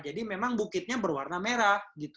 jadi memang bukitnya berwarna merah